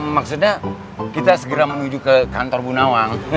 maksudnya kita segera menuju ke kantor bu nawang